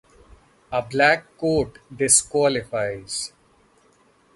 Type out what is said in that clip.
A black coat disqualifies.